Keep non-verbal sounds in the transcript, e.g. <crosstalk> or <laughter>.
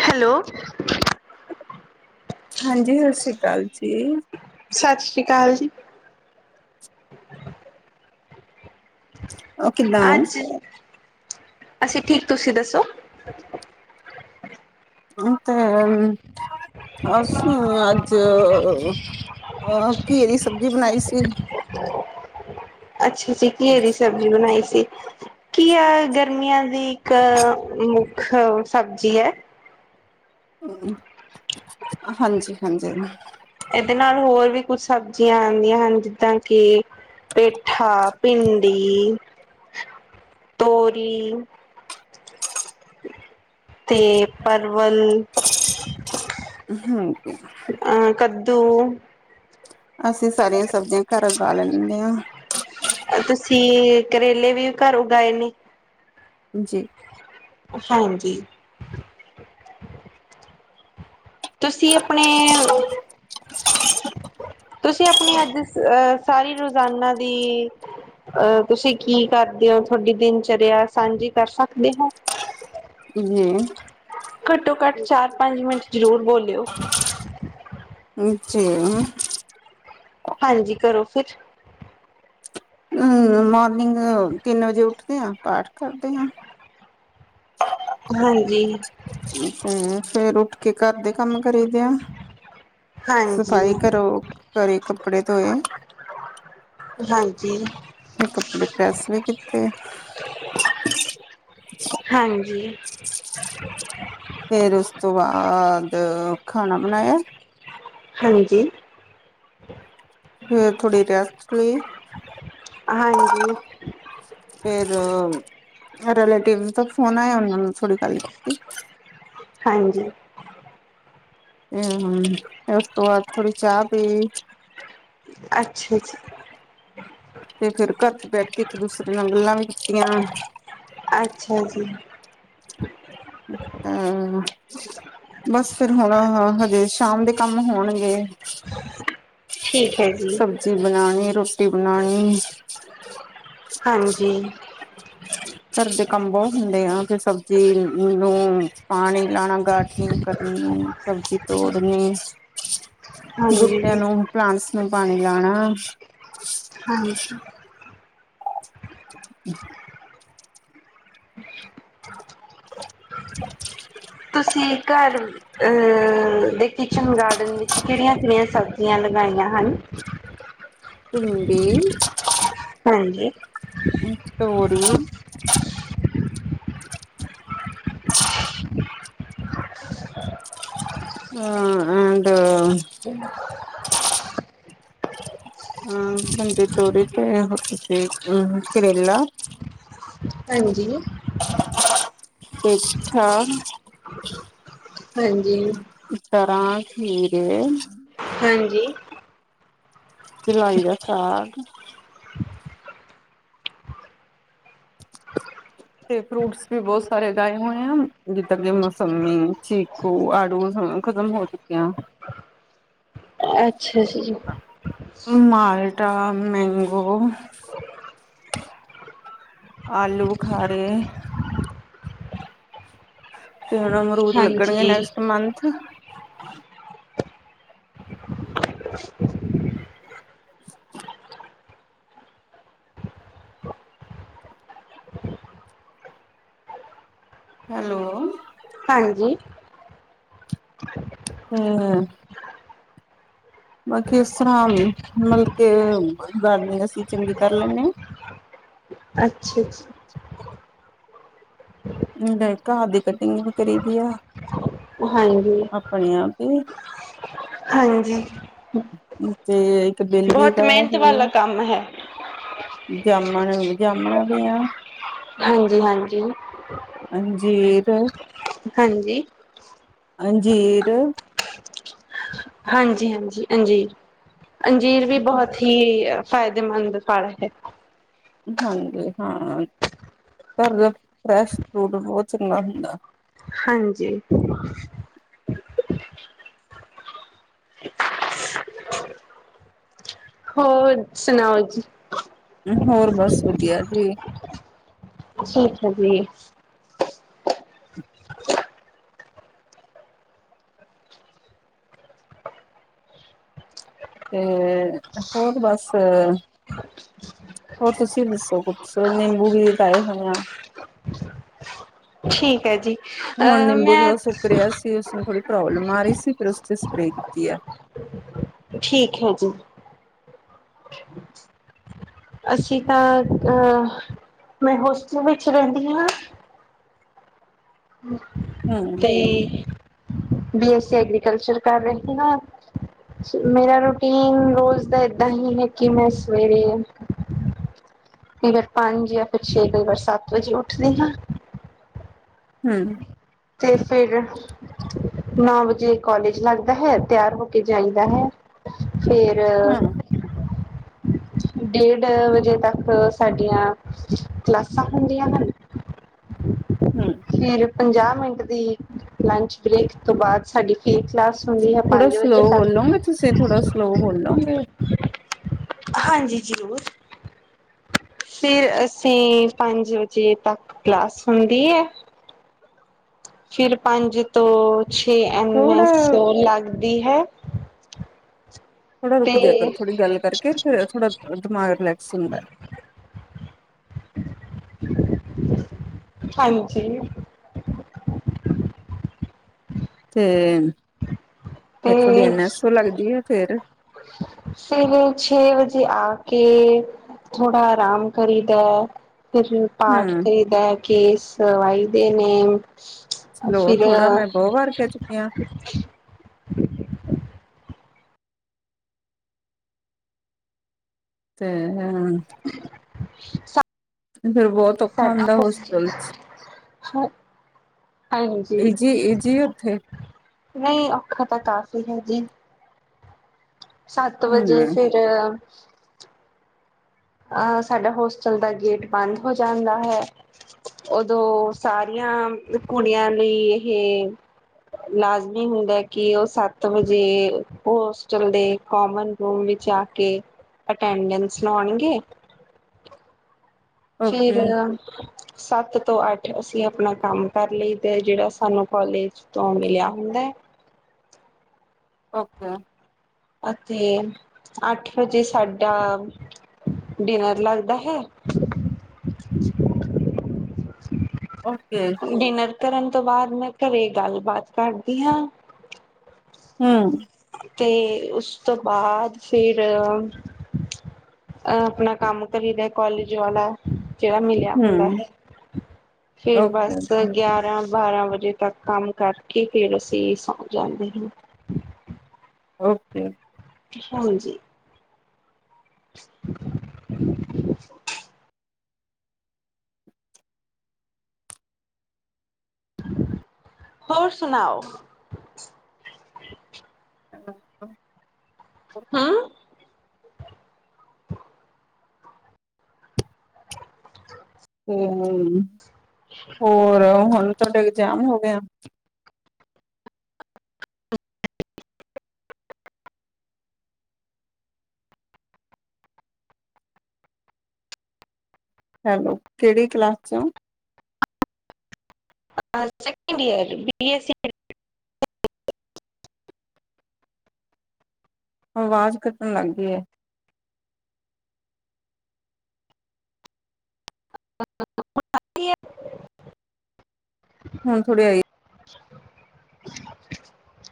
Hello. ਹਾਂਜੀ, ਸਤ ਸ੍ਰੀ ਕਾਲ ਜੀ। ਸਤਿ ਸ਼੍ਰੀ <inaudible> ਉਹ ਕਿੱਦਾਂ ਅੱਜ ਅਸੀਂ ਠੀਕ, ਤੁਸੀਂ ਦੱਸੋ? ਹੁਣ ਤੇ ਐਲ ਅਸੁ ਅੱਜ ਅਹ ਘੀਏ ਦੀ ਸਬਜ਼ੀ ਬਣਾਈ ਸੀ। ਅੱਛਾ ਜੀ ਘੀਏ ਦੀ ਸਬਜ਼ੀ ਬਣਾਈ ਸੀ। ਕੀਆ ਗਰਮੀਆਂ ਦੀ ਇੱਕ ਮੁੱਖ ਸਬਜ਼ੀ ਐ। ਹਮ, ਹਾਂਜੀ ਹਾਂਜੀ ਹਾਂਜੇ। ਐਦੇ ਨਾਲ ਹੋਰ ਵੀ ਕੁੱਛ ਸਬਜ਼ੀਆਂ ਆਂਦੀਆਂ ਹਨ ਜਿੱਦਾਂ ਕਿ ਪੇਠਾ, ਭਿੰਡੀ। ਤੋਰੀ, ਤੇ ਪਰ ਵੱਲ ਹਾਂਜੀ ਅਹ ਕੱਦੂ। <inaudible> ਅਸੀਂ ਸਾਰੀਆਂ ਸਬਜ਼ੀਆਂ ਘਰ ਔਗਾ ਲੈਂਦੇ ਆਂ। ਛੀ ਕਰੇਲੇ ਵੀ ਘਰ ਉਗਾਏ ਨੇ। ਜੀ। ਹਾਂਜੀ। ਤੁਸੀਂ ਅਪਣੇ, ਤੁਸੀਂ ਅਪਣੀ ਅੱਜ ਅਹ ਸਾਰੀ ਰੋਜ਼ਾਨਾ ਦੀ ਅਹ ਤੁਸੀਂ ਕੀ ਕਰਦੇ ਹੋ ਤੁਹਾਡੀ ਦਿਨਚਰਿਆ ਸਾਂਝੀ ਕਰ ਸਕਦੇ ਹੋ? ਹਮ। ਘੱਟੋ ਘੱਟ ਚਾਰ ਪੰਜ ਮਿੰਟ ਜ਼ਰੂਰ ਬੋਲ ਚਿਔ ਹਾਂਜੀ ਕਰੋ ਫਿਰ। ਅਮ ਮੋਰਨਿੰਗ, ਤਿੰਨ ਵਜੇ ਉੱਠਦੇ ਆਂ ਪਾਠ ਕਰਦੇ ਹਾਂ। ਹਾਂਜੀ ਹਮ ਫੇਰ ਉ ਕੇ ਘਰ ਦੇ ਕੰਮ ਕਰੀਦੇ ਆ ਹਾਂਜੀ ਸਫ਼ਾਈ ਕਰਰੋ ਘਰੇ ਕੱਪੜੇ ਧੋਏ ਹਾਂਜੀ ਤੇ ਕੱਪੜੇ ਪ੍ਰੈਸ ਵੀ ਕੀਤੇ ਜੀ ਫਿਰ ਉਸ ਤੋਂ ਬਾਅਦ ਖਾਣਾ ਬਣਾਇਆ ਹਾਂਜੀ ਫਿਰ ਥੋੜ੍ਹੀ ਰੈਸਟ ਲਈ ਹਾਂਜੀ ਰਿਲੇਟੀਵ ਤਾਂ ਫੋਨ ਆਇ ਉਹਨਾਂ ਨੂੰ ਥੋੜੀ ਗੱਲ ਠ ਹਾਂਜੀ ਹਾਂ ਉਹ ਆ ਥੋੜੀ ਚਾਹ ਪੀ ਅੱਛਾ ਜੀ ਤੇ ਫਿਰ ਘਰ ਚ ਬੈਠ ਕੇ ਇੱਕ ਦੂਸਰੇ ਨਾਲ ਗੱਲਾਂ ਵੀ ਕੀਤੀਆਂ ਅੱਛਾ ਜੀ ਅ ਬਸ ਫੇਿਰ ਹੁਣ ਹਾਂ ਹਜੇ ਸ਼ਾਮ ਦੇ ਕੰਮ ਹੋਣਗੇ ਠੀਕ ਹੈ ਜੀ ਸਬਜ਼ੀ ਬਣਾਉਣੀ ਰੋਟੀ ਬਣਾਉਣੀ ਹਾਂਜੀ ਘਰ ਦੇ ਕੰਮ ਬਹੁਤ ਹੁੰਦੇ ਆ ਤੇ ਸਬਜ਼ੀ ਨੂੰ ਪਾਣੀ ਲਾਉਣਾ ਗਾਡ ਨ ਕਰ ਸਬਜ਼ੀ ਤੋੜਨੀ ਹਾਂਜੀ ਬੁਟਿਆਂ ਨੂੰ ਪਲਾਂਟ ਨੂੰ ਪਾਣੀ ਲਾਉਣਾ ਹਾਂਜੀ ਹਮ ਤੁਸੀਂ ਘਰ ਦੇ ਕਿਚਨ ਗਾਰਡਨ ਵਿੱਚ ਕਿਹੜੀਆਂ ਕਿਹੜੀਆਂ ਸਬਜ਼ੀਆਂ ਲਗਾਈਆਂ ਹਨ ਭਿੰਡੀ ਹਾਂਜੀ ਅ ਹੋਰੀ ਹਾਂ ਅਂਡ ਹਮ ਹਜੀ ਤੋੜੀ ਤੇ ਅਮ ਕਰੇਲਾ ਹਾਂਜੀ ਅੱਛਾ ਹਾਂਜੀ ਤਰਾਂ ਖੀਰੇ ਹਾਂਜੀ ਚਲਾਈ ਦਾ ਸਾਗ ਤੇ ਫਰੂਟਸ ਵੀ ਬਹੁਤ ਸਾਰੇ ਲਾਏ ਹੋਏ ਆ ਜਿੱਦਾਂ ਕਿ ਮੌੋਸੰਮੀ ਚੀਕੂ ਆੜੂ ਖਤਮ ਹੋ ਚੁੱਕੇ ਅੱਛਾ ਜੀ ਜੀ ਮਾਲਟਾ ਮੈਂਗੋ ਆਲੂ ਬੁਖਾਰੇ ਹਾਂ ਤੇ ਅਮਰੂਦ ਹਾਂਜੀ, ਲੱਗਣਗੇ ਨੈਕਸਟ ਮੰਥ <unintelligible> <unintelligible> ਹੈਲੋ ਹਾਂਜੀ ਹਮ ਹਮ ਬਾਕੀ ਹਿਸਾਬ ਨੀ ਮਤਲਬ ਕੇ ਗਾਰਡਨਿੰਗ ਅਸੀਂ ਚੰਗੀ ਕਰ ਲੈਂਦੇ ਹਾਂ ਅੱਛਾ ਜੀ ਹਮ ਘਾਹ ਦੀ ਕਟਿੰਗ ਵੀ ਕਰੀ ਦੀ ਆ ਹਾਂਜੀ। ਆਪਣੇ ਆਪੇ ਹਾਂਜੀ ਹਮ ਫੇਰ ਤੇ ਬਿੱਲ ਵੀ ਉਗਾਇਆ ਹੋਏ ਆ ਕੰਮ ਹੈ। ਜਾਮਣ ਜਾਮਣਾ ਦਿਆ ਹਾਂਜੀ ਹਾਂਜੀ ਜੀਰ ਹਾਂਜੀ ਹੰਜੀਰ ਹਾਂਜੀ ਹਾਂਜੀ ਹਾਂਜੀ ਅੰਜੀਰ ਵੀ ਬਹੁਤ ਹੀ ਅ ਫਾਇਦੇਮੰਦ ਫਲ ਹੈ ਹਾਂਜੀ ਹਾਂ ਪਰ ਫਰੈਸ਼ ਫਰੂਟ ਬਹੁਤ ਚੰਗਾ ਹੁੰਦਾ ਹਾਂਜੀ ਹੋਰ ਸੁਣਾਓ ਜੀ ਹੋਰ ਬਸ ਵਧੀਆ ਜੀ ਠੀਕ ਹੈ ਜੀ ਤੇ ਹੋਰ ਬਸ ਹੋਰ ਤੁਸੀਂ ਦੱਸੋ ਕੁਛ ਨਿੰਬੂ ਵੀ ਉਗਾਏ ਹੋਏ ਆ ਠੀਕ ਹੈ ਜੀ ਹੁਣ ਅ ਨਿੰਬੂ ਮੈਂ ਥੋੜਾ ਸੁੱਕ ਰਿਹਾ ਸੀ ਉਸਨੂੰ ਥੋੜੀ ਪ੍ਰੋਬਲਮ ਆ ਰਹੀ ਸੀ ਫਿਰ ਉਸੇ ਸਪਰੇਅ ਕੀਤੀ ਹੈ ਠੀਕ ਹੈ ਜੀ ਅਸੀਂ ਤਾਂ ਅਹ ਮੈਂ ਹੋਸਟਲ ਵਿੱਚ ਰਹਿੰਦੀ ਹਾਂ ਹਮ ਅਤੇ ਬੀ ਐਸਸੀ ਐਗਰੀਕਲਚਰ ਕਰ ਰਹੇ ਹ ਮੇਰਾ ਰੂਟੀਨ ਰੋਜ਼ ਦਾ ਏਦਾਂ ਹੀ ਹੈ ਕਿ ਮੈਂ ਸਵੇਰੇ ਕਈ ਵਾਰ ਪੰਜ ਜਾਂ ਫਿਰ ਛੇ ਕਈ ਵਾਰ ਸੱਤ ਵਜੇ ਉੱਠਦੀ ਹਾਂ ਹਮ ਤੇ ਫਿਰ ਨੌ ਵਜੇ ਕੋਾਲਜ ਲੱਗਦਾ ਹੈ ਤਿਆਰ ਹੋ ਕੇ ਜਾਈਦਾ ਹੈ ਫੇਰ ਹਮ ਡੇਢ ਵਜੇ ਤੱਕ ਸਾਡੀਆਂ ਕਲਾਸਾਂ ਹੁੰਦੀਆਂ ਹਨ ਹਮ ਫਿਰ ਪੰਜਾਹ ਮਿੰਟ ਦੀ ਲੰਚ ਬ੍ਰੇਕ ਤੋਂ ਬਾਅਦ ਸਾਡੀ ਫੇ ਕਲਾਸ ਹੁੰਦੀ ਹੈ ਥੋੜਾ ਪੰਜ ਵਜੇ ਸਲੋਅ ਤੱਕ ਬੋਲੋਗੇ ਤੁਸੀਂ ਥੋੜਾ ਸਲੋ ਬੋਲੋਗੇ ਕੁ ਹਾਂਜੀ ਜ਼ਰੂਰ ਫਿਰ ਅਸੀਂ ਪੰਜ ਵਜੇ ਤੱਕ ਕਲਾਸ ਹੁੰਦੀ ਹੈ ਫਿਰ ਪੰਜ ਤੋਂ ਛੇ ਐਮ ਥੋੜਾ ਐੋ ਲੱਗ ਦੀ ਹੈ ਥੋੜ੍ਹਾ ਰੁਕ ਤੇ ਜਾੇ ਕਰ ਥੋੜ੍ਹੀ ਗੱਲ ਕਰਕੇ ਫਿਰ ਥੋੜਾ ਦਿਮਾਗ ਰਿਲੈਕਸ ਹੁੰਦਾ ਹੈ ਹਾਂਜੀ ਤੇ ਫ ਥੋਡੀੀ ਐਨ ਐੱਸ ਓ ਲੱਗਦੀ ਹੈ ਫੇਰ ਸਵੇਰੇ ਛੇ ਵਜੇ ਆ ਕੇ ਥੋੜਾ ਆਰਾਮ ਕਰਈ ਦੇੈ ਫ ਪਾਠ ਹੂੰ ਚਾਹੀਦਾ ਹੈ ਕੇਸ ਵਾਈਦੇ ਨੇਮ ਸਲੋ ਫਿਰ ਥੋੜਾ ਮੈਂ ਬਹੁਤ ਵਾਰ ਕਹਿ ਚੁੱਕੀ ਹਾਂ ਤੇ ਹਾਂ ਸੱ ਫਿਰ ਬਹੁਤ ਔਖਾ ਹੁੰਦਾ ਹੋਸਟਲ ਚ ਹਾਂਜੀ ਜੀ ਇਹ ਜੀ ਉੱਥੇ ਨਹੀਂ ਔਖਾ ਤਾਂ ਕਾਫ਼ੀ ਹੈ ਜੀ ਸੱਤ ਵਜੇ ਹੂੰ ਫਿਰ ਅਹ ਸਾਡਾ ਹੋਸਟਲ ਦਾ ਗੇਟ ਬੰਦ ਹੋ ਜਾਂਦਾ ਹੈ ਓਦੋਂ ਸਾਰੀਆਂ ਕੁੜੀਆਂ ਲਈ ਇਹ ਲਾਜ਼ਮੀ ਹੁੰਦਾ ਕਿ ਉਹ ਸੱਤ ਵਜੇ ਹੋਸਟਲ ਦੇ ਕੋਾਮਨ ਰੂਮ ਵਿੱਚ ਆ ਕੇ ਅਟੈਂਡੈਂਸ ਲਾਉਣਗੇ ਕੀ ਓਕੇ ਫਿਰ ਸੱਤ ਤੋਂ ਅੱਠ ਅਸੀਂ ਆਪਣਾ ਕੰਮ ਕਰ ਲਈ ਦਾ ਤੇ ਜਿਹੜਾ ਸਾਨੂੰ ਕਾਲਜ ਤੋਂ ਮਿਲਿਆ ਹੁੰਦਾ ਹੈ ਓਕੇ ਅਤੇ ਅੱਠ ਵਜੇ ਸਾਡਾ ਡਿਨਰ ਲੱਗਦਾ ਹੈ ਓਕੇ ਡਿਨਰ ਕਰਨ ਤੋਂ ਬਾਅਦ ਮੈਂ ਘਰੇ ਗੱਲਬਾਤ ਕਰਦੀ ਹਾਂ ਹੂੰ ਅਤੇ ਉਸ ਤੋਂ ਬਾਅਦ ਫਿਰ ਆਪਣਾ ਕੰਮ ਕਰੀ ਦਾ ਕੋਾਲਜ ਵਾਲਾ। ਜਿਹੜਾ ਮਿਲਿਆ ਹੁੰਦਾ ਹੂੰ ਹੈ, ਫੇਰ ਓਕੇ ਦਸ ਗਿਆਰਾਂ ਬਾਰਾਂ ਵਜੇ ਤੱਕ ਕੰਮ ਕਰਕੇ ਫਿਰ ਅਸੀਂ ਸੌਂ ਜਾਂਦੇ ਹਾਂ। ਓਕੇ। ਹਾਂਜੀ। <inaudible> ਹੋਰ ਸੁਣਾਓ। <inaudible> ਹਮ <inaudible> ਹਮ-ਹਮ। ਹੋਰ ਹੁਣ ਤੁਹਾਡੇ ਜਾਮ ਹੋ ਗਿਆ। ਹੈਲੋ ਕਿਹੜੀ ਕਲਾਸ ਚੋਂ? ਸੈਕੰਡ ਯੀਅਰ ਆਵਾਜ਼ ਕੱਟਣ ਲੱਗ ਗਈ ਹੈ। <unintelligible> ਹੁਣ ਥੋੜੇ ਆਈ <inaudible>